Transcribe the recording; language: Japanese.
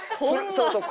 そうそう。